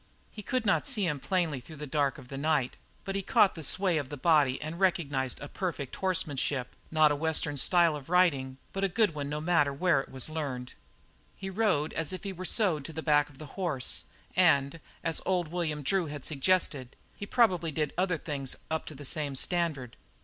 He could not see him plainly through the dark of the night, but he caught the sway of the body and recognized a perfect horsemanship, not a Western style of riding, but a good one no matter where it was learned. He rode as if he were sewed to the back of the horse, and, as old William Drew had suggested, he probably did other things up to the same standard.